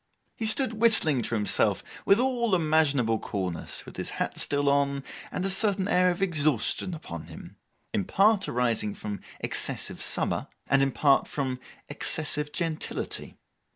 He stood whistling to himself with all imaginable coolness, with his hat still on, and a certain air of exhaustion upon him, in part arising from excessive summer, and in part from excessive gentility.